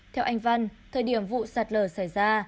theo anh văn thời điểm vụ sạt lở xảy ra